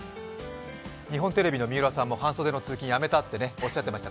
日本テレビの三浦さんも半袖の通勤をやめたと言ってました。